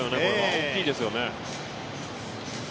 大きいですよね。